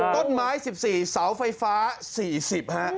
ต้นไม้สิบสี่เสาไฟฟ้าสี่สิบ